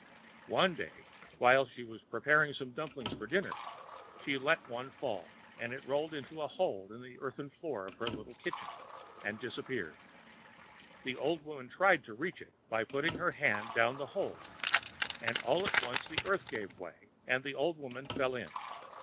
One day, while she was preparing some dumplings for dinner, she let one fall, and it rolled into a hole in the earthen floor of her little kitchen and disappeared. The old woman tried to reach it by putting her hand down the hole, and all at once the earth gave way, and the old woman fell in.